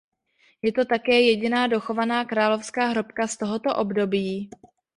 Je to také jediná dochovaná královská hrobka z tohoto období.